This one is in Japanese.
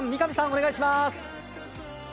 お願いします！